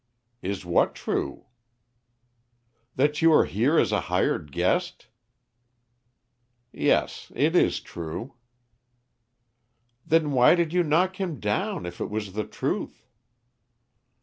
"Is what true?" "That you are here as a hired guest?" "Yes, it is true." "Then why did you knock him down, if it was the truth?"